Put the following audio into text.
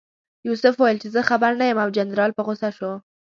یوسف وویل چې زه خبر نه یم او جنرال په غوسه شو.